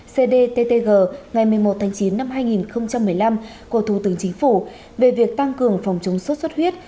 cdttg ngày một mươi một tháng chín năm hai nghìn một mươi năm của thủ tướng chính phủ về việc tăng cường phòng chống sốt xuất huyết